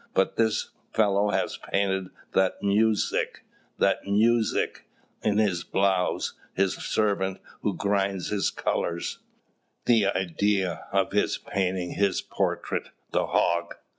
But this fellow has painted that muzhik, that muzhik in his blouse, his servant who grinds his colours! The idea of painting his portrait, the hog!